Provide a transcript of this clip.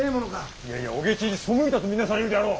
いやいやお下知に背いたと見なされるであろう。